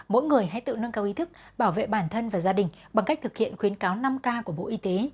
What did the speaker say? mỗi người hãy tự nâng cao ý thức bảo vệ bản thân và gia đình bằng cách thực hiện khuyến cáo năm k của bộ y tế